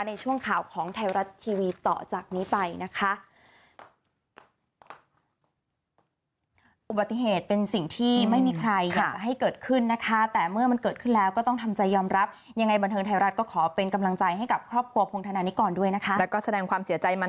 ในช่วงข่าวของไทยรัฐทีวีต่อจากนี้ไปนะคะ